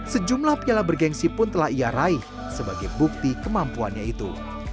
sejumlah piala bergensi pun telah ia raih sebagai bukti kemampuannya itu